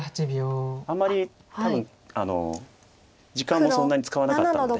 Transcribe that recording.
あんまり多分時間もそんなに使わなかったので。